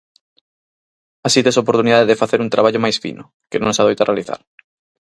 Así tes oportunidade de facer un traballo máis fino, que non se adoita realizar.